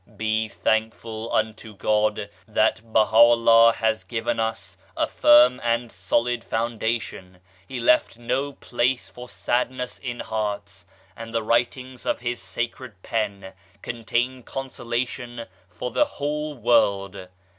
Be thankful unto God that Baha'ullah has given us a firm and solid foundation. He left no place for sadness in hearts, and the writings of his sacred pen contain consolation for the whole world.